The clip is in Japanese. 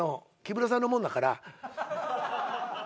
木村さんのもんだから。